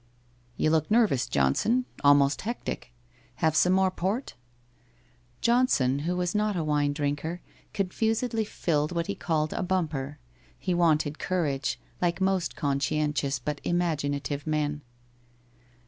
' You look nervous, Johnson — almost hectic. Have some more port ?' Johnson who was not a wine drinker, confusedly filled what he called a bumper. He wanted courage, like most conscientious but imaginative men.